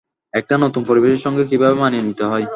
একটা নতুন পরিবেশের সঙ্গে কীভাবে মানিয়ে নিতে হয়।